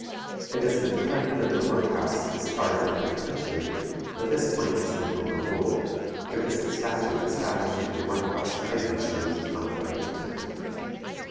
It has been claimed that the Work house is a part of the Penitentiary, but this point has been overruled, because the statute establishing the Work house plainly shows a contrary intent.